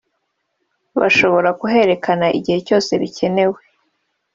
bashobora kuherekana igihe cyose bikenewe